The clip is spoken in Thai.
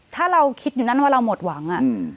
ถ้าเราคิดอยู่นั่นว่าเราหมดหวัง